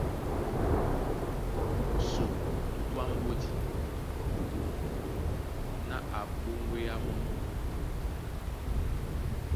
Só Tutú á mbódi ná á ɓóŋgweye mɔ́ mɔ́.